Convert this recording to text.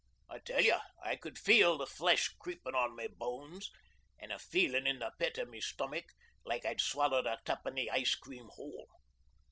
I tell you, I could feel the flesh creepin' on my bones an' a feelin' in the pit o' my stomach like I'd swallowed a tuppenny ice cream whole.